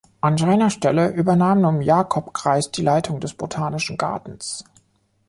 An seiner Stelle übernahm nun Jakob Greiß die Leitung des Botanischen Gartens.